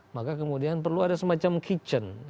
maka kemudian perlu ada semacam kitchen